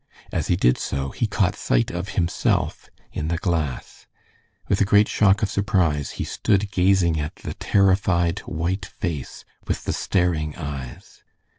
As he did so, he caught sight of himself in the glass. With a great shock of surprise he stood gazing at the terrified, white face, with the staring eyes.